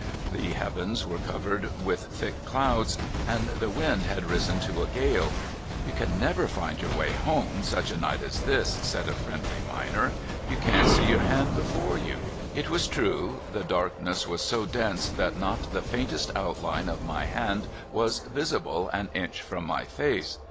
The heavens were covered with thick clouds, and the wind had risen to a gale. "You can never find your way home such a night as this," said a friendly miner. '' You can't see your hand before you." h was true, the darkness was so dense that not the faintest outline of my hand was visible an inch from my face.